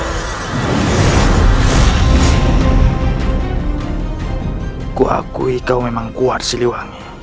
aku akui kau memang kuat siliwangi